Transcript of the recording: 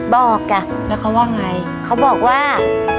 บอกจ้ะแล้วเขาว่าไงเขาบอกว่า